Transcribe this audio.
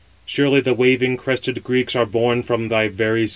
Surely the waving crested Greeks are born from thy very self."